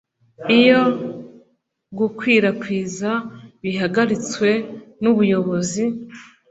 iyo gukwirakwiza bihagaritswe n ubuyobozi